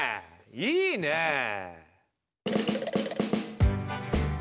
いいねえ！